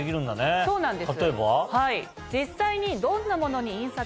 そうなんです。